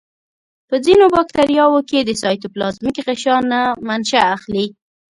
په ځینو باکتریاوو کې د سایتوپلازمیک غشا نه منشأ اخلي.